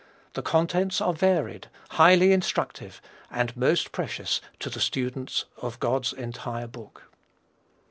The contents are varied, highly instructive, and most precious to the student of God's entire book.